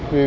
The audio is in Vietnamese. vì ví dụ